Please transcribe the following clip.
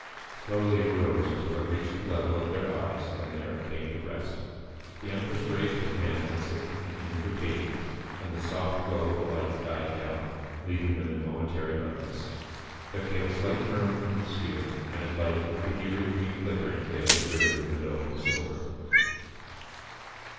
Slowly it rose until it reached the level of their eyes and there it came to rest. The empress raised her hands as if in invocation and the soft glow of the lights died down, leaving them in momentary darkness. There came a slight murmur from the sphere, and it lighted with the eery green flickerings they had observed in the dome of silver.